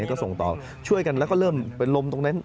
ก็ส่งต่อช่วยกันแล้วก็เริ่มเป็นลมตรงนั้น